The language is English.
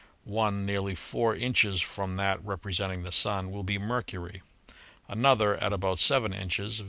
One nearly four inches from that representing the Sun will be Mercury; another, at about seven inches.